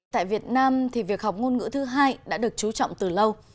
tại việt nam thì việc học ngôn ngữ thứ hai đã được chú trọng từ lâu